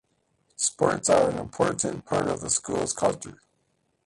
Sports are an important part of the school's culture.